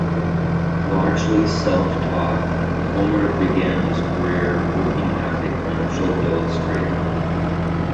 Largely self-taught, Homer began his career working as a commercial illustrator.